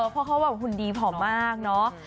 เพราะเขาแบบหุ่นดีผอมมากเนาะ